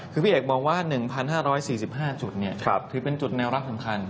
คือพี่เอกมองว่า๑๕๔๕จุดถือเป็นจุดแนวรักสำคัญ